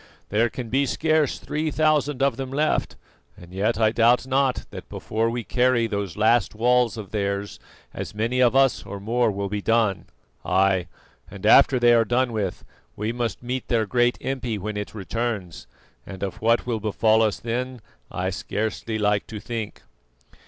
There can be scarce three thousand of them left, and yet I doubt not that before we carry those last walls of theirs as many of us or more will be done. Ay! and after they are done with, we must meet their great impi when it returns, and of what will befall us then I scarcely like to think."